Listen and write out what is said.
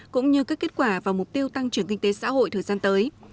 cũng như các kết quả và mục tiêu tăng trưởng kinh tế xã hội thời gian tới